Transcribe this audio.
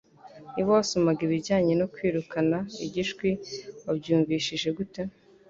Niba wasomaga ibijyanye no Kwirukana igishwi wabyumvishije gute